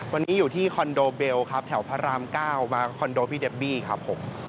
วันนี้อยู่ที่คอนโดเบลครับแถวพระราม๙มาคอนโดพี่เดบบี้ครับผม